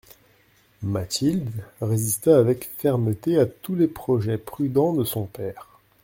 Mathilde résista avec fermeté à tous les projets prudents de son père.